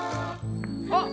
あっ！